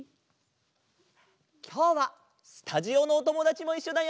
きょうはスタジオのおともだちもいっしょだよ！